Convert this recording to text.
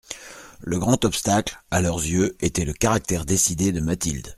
Le grand obstacle, à leurs yeux, était le caractère décidé de Mathilde.